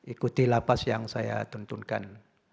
ikuti lapas yang saya tuntunkan